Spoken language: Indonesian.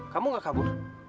kamu gak kabur